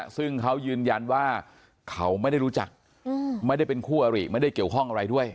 ซึ่งเขายืนยันว่าเขาไม่ได้รู้จักไม่ได้เป็นคู่อริไม่ได้เกี่ยวข้องอะไรด้วย